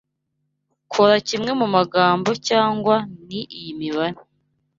kora kimwe mu magambo cyangwa ni iyi mibare